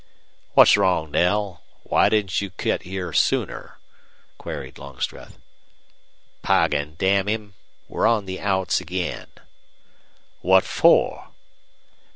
"What's wrong, Knell? Why didn't you get here sooner?" queried Longstreth. "Poggin, damn him! We're on the outs again." "What for?"